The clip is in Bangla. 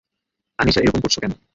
আনিশা এরকম করছো কেন?